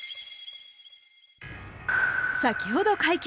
先ほど解禁。